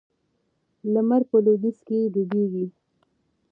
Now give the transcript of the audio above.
لمر په لویدیځ کې ډوبیږي.